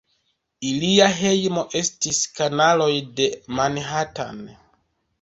Ilia hejmo estis kanaloj de Manhattan.